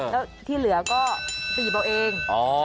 แล้วที่เหลือก็ไปหยิบเอาเอง